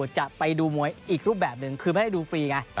จะไปดูมวยอีกรูปแบบหนึ่งคือไม่ได้ดูฟรีไง